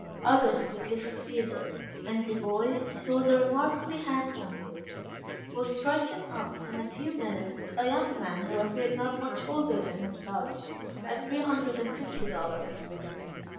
Others quickly succeeded, and the boy, who was a remarkably handsome youth, was stricken off in a few minutes to a young man who appeared not much older than himself, at three hundred and fifty dollars.